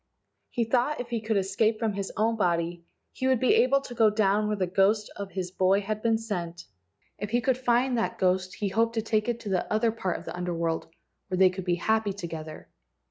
He thought if he could escape from his own body he would be able to go down where the ghost of his boy had been sent. If he could find that ghost he hoped to take it to the other part of the Under world, where they could be happy together.